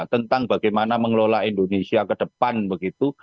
tentang bagaimana mengelola indonesia ke depan begitu